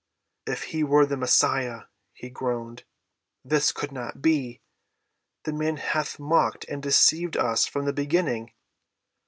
"If he were the Messiah," he groaned, "this could not be. The man hath mocked and deceived us from the beginning!"